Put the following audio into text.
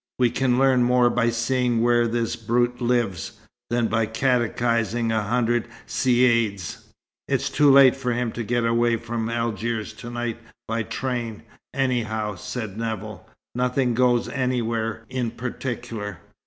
We can learn more by seeing where this brute lives, than by catechizing a hundred caïds." "It's too late for him to get away from Algiers to night by train, anyhow," said Nevill. "Nothing goes anywhere in particular.